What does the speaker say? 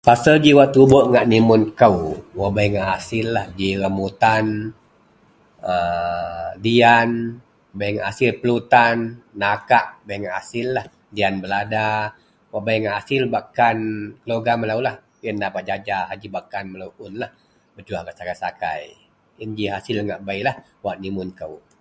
Pasel ji wak tubuok ngak nimun kou, wak bei ngak asillah ji remutan, aa diyan, bei ngak asil pelutan, nakak bei ngak asillah, diyan belada. Wak bei ngak asil bak kan keluwerga meloulah. Wak yen nda bak jaja, saji bak kan keluwerga melou unlah. Bak juwah gak sakai-sakai. Yen ji asil ngak beilah wak nimun kou